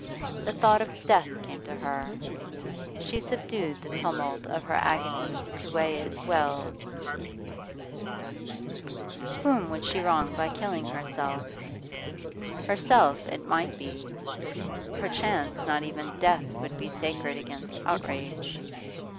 The thought of death came to her; she subdued the tumult of her agony to weigh it well Whom would she wrong by killing herself? Herself, it might be; perchance not even death would be sacred against outrage.